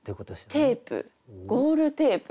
テープゴールテープ？